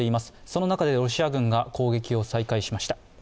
その中でロシア軍が攻撃を再開しました。